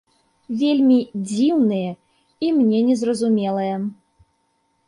Вельмі дзіўныя, і мне не зразумелыя.